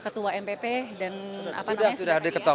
sudah sudah ada ketok